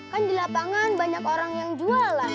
kan di lapangan banyak orang yang jualan